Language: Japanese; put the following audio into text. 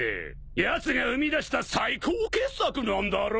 やつが生み出した最高傑作なんだろ！？